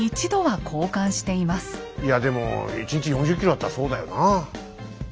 いやでも１日４０ｋｍだったらそうだよなあ。